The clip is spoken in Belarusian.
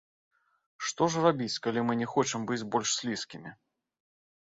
Што ж рабіць, калі мы не хочам быць больш слізкімі?